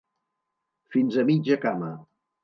Fins a mitja cama.